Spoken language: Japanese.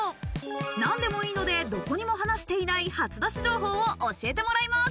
何でもいいので、どこにも話していない、初出し情報を教えてもらいます。